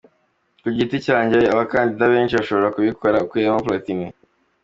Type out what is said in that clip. Ku giti cyanjye abakandida benshi bashobora kubikora, ukuyemo Platini.